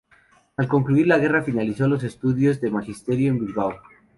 Al concluir la guerra, finalizó los estudios de Magisterio en Bilbao.